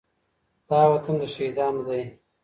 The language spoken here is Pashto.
دا وطن د شهيدانو دی.